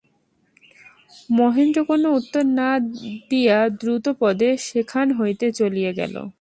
মহেন্দ্র কোনো উত্তর না দিয়া দ্রুতপদে সেখান হইতে চলিয়া গেল।